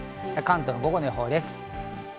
関東の午後の予報です。